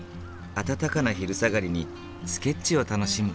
暖かな昼下がりにスケッチを楽しむ。